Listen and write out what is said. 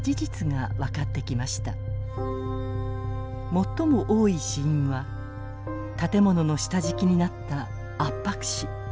最も多い死因は建物の下敷きになった圧迫死。